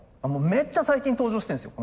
めっちゃ最近登場してるんですよ